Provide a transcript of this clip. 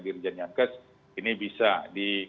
dirjen yankes ini bisa di